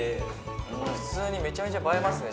これ普通にめちゃめちゃ映えますね